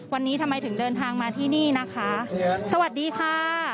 วันนี้ทำไมถึงเดินทางมาที่นี่นะคะสวัสดีค่ะสวัสดีค่ะครับผม